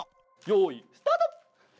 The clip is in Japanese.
よいスタート！